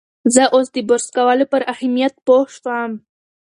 زه اوس د برس کولو پر اهمیت پوه شوم.